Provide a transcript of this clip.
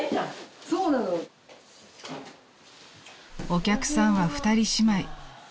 ［お客さんは２人姉妹］